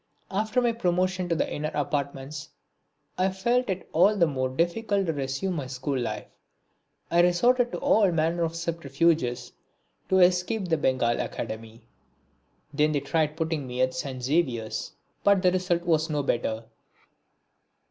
After my promotion to the inner apartments I felt it all the more difficult to resume my school life. I resorted to all manner of subterfuges to escape the Bengal Academy. Then they tried putting me at St. Xavier's. But the result was no better.